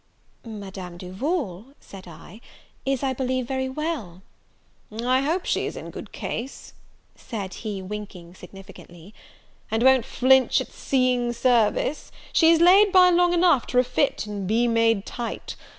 "Madame Duval," said I, "is, I believe, very well." "I hope she is in good case," said he, winking significantly, "and won't flinch at seeing service: she has laid by long enough to refit and be made tight.